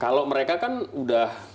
kalau mereka kan udah